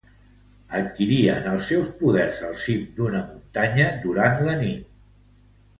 Adquirien els seus poders al cim d'una muntanya durant la nit.